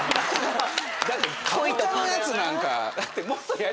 だってカボチャのやつなんか。